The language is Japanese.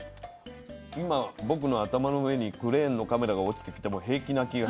今僕の頭の上にクレーンのカメラが落ちてきても平気な気がします。